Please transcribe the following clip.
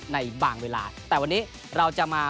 ในบางเวลาแต่วันนี้เราจะมา